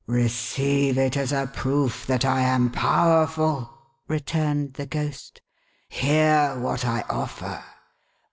" Receive it as a proof that I am powerful," returned the Ghost. " Hear what I offer